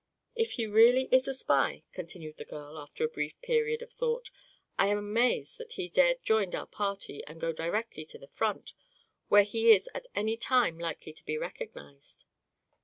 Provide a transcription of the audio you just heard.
"If he is really a spy," continued the girl, after a brief period of thought, "I am amazed that he dared join our party and go directly to the front, where he is at any time likely to be recognized."